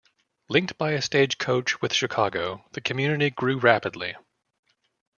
Linked by a stagecoach with Chicago, the community grew rapidly.